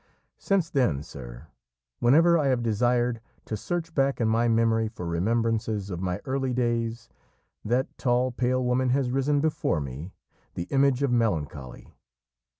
Since then, sir, whenever I have desired to search back in my memory for remembrances of my early days that tall, pale woman has risen before me, the image of melancholy.